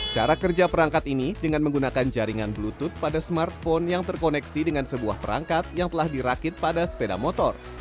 cara kerja perangkat ini dengan menggunakan jaringan bluetooth pada smartphone yang terkoneksi dengan sebuah perangkat yang telah dirakit pada sepeda motor